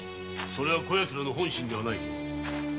それはこやつらの本心ではない。